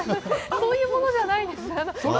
そういうものじゃないです。